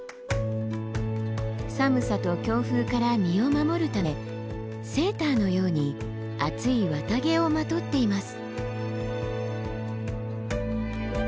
寒さと強風から身を守るためセーターのように厚い綿毛をまとっています。